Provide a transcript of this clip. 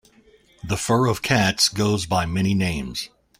The fur of cats goes by many names.